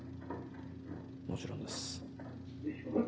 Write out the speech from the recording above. もちろんです。